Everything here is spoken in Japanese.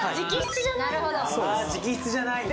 直筆じゃないんだ。